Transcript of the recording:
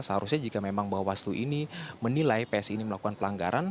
seharusnya jika memang bawaslu ini menilai psi ini melakukan pelanggaran